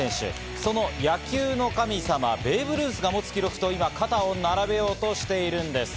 その野球の神様、ベーブ・ルースが持つ記録と肩を並べようとしているんです。